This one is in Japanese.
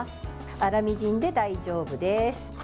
粗みじんで大丈夫です。